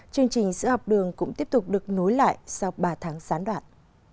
chương trình sữa học đường cũng tiếp tục được nối lại sau ba tháng gián đoạn